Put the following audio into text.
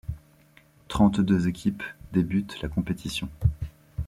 Trente-deux équipes débutent la compétition.